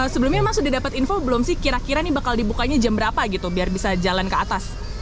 sebelumnya mas sudah dapat info belum sih kira kira ini bakal dibukanya jam berapa gitu biar bisa jalan ke atas